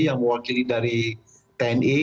yang mewakili dari tni